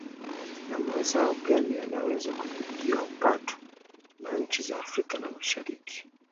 na mazao gani yanaweza kupigiwa upatu na nchi za afrika na mashariki